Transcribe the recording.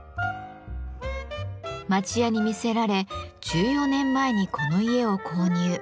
町家に魅せられ１４年前にこの家を購入。